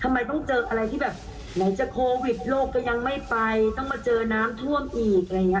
ทำไมต้องเจออะไรที่แบบไหนจะโควิทวิสัยลกยังไม่ไปต้องมาเจอน้ำท่วมอีก